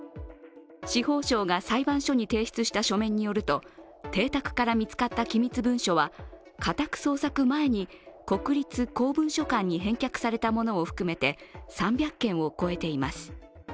司法省が裁判所に提出した書面によると邸宅から見つかった機密文書は家宅捜索前に国立公文書館に返却されたものを含めて３００件を超えています。